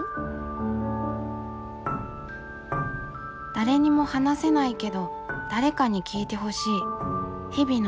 誰にも話せないけど誰かに聴いてほしい日々の「もやもや」。